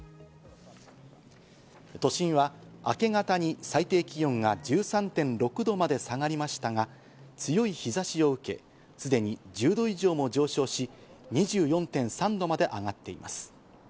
都心は明け方に最低気温が１３．６度まで下がりましたが、強い日差しを受け、すでに１０度以上も上昇し、２４．３度まで上がっています。